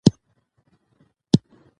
پښتو ژبه په سیمه کې مهم ځای لري.